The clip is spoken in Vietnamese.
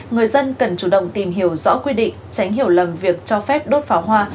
người dân cần chủ động tìm hiểu rõ quy định tránh hiểu lầm việc cho phép đốt pháo hoa